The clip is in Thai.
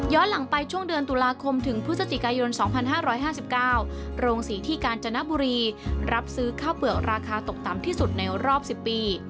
หลังไปช่วงเดือนตุลาคมถึงพฤศจิกายน๒๕๕๙โรงศรีที่กาญจนบุรีรับซื้อข้าวเปลือกราคาตกต่ำที่สุดในรอบ๑๐ปี